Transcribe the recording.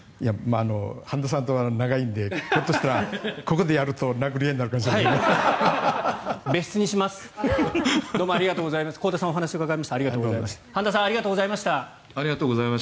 半田さんとは長いのでひょっとしたらここでやると殴り合いになるかもしれない。